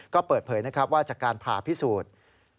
ก็เปิดเผยนะครับว่าจากการผ่าพิสูจน์